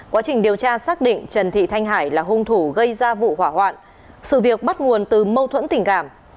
quá trình điều tra xác định trần thị thanh hải là hung thủ gây ra vụ hỏa hoạn sự việc bắt nguồn từ mâu thuẫn tình cảm